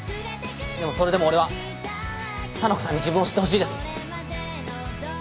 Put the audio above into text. でもそれでも俺は沙名子さんに自分を知ってほしいです。